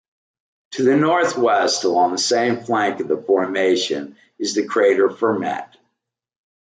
To the northwest along the same flank of the formation is the crater Fermat.